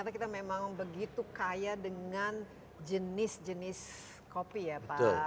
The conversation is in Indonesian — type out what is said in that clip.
ya ternyata kita memang begitu kaya dengan jenis jenis kopi ya pak buas